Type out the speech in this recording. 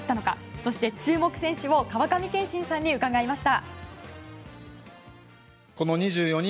そして、注目選手を川上憲伸さんに伺いました。